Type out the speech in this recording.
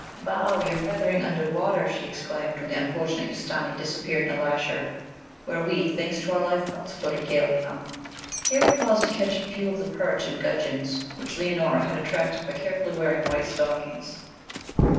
'Bow, you're feathering under water,' she exclaimed, when the unfortunate Ustâni disappeared in a lasher, where we, thanks to our life belts, floated gaily enough. Here we paused to catch a few of the perch and gudgeons, which Leonora had attracted by carefully wearing white stockings.